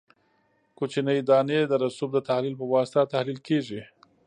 کوچنۍ دانې د رسوب د تحلیل په واسطه تحلیل کیږي